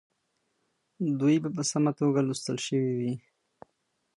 دوی به په سمه توګه لوستل سوي وي.